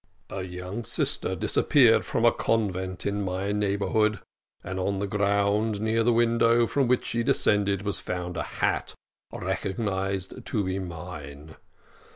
A young sister disappeared from a convent in my neighbourhood, and on the ground near the window from which she descended, was found a hat, recognised to be mine.